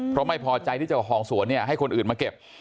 เพราะไม่พอใจที่เจ้าของสวนเนี่ยให้คนอื่นมาเก็บ